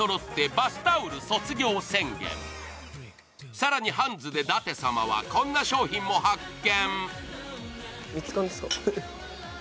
更にハンズで舘様は、こんな商品も発見。